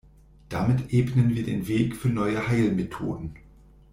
Damit ebnen wir den Weg für neue Heilmethoden.